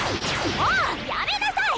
もうやめなさい！